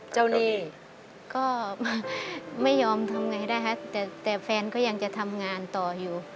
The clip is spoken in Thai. หลีก็ไม่ยอมทำไงนะคะแต่แฟนก็ยังจะทำงานต่ออยู่